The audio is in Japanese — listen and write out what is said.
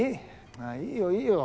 あぁいいよいいよ。